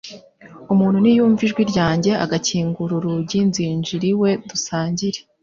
umuntu niyumva ijwi ryanjye, agakingura urugi nzinjira iwe dusangire'."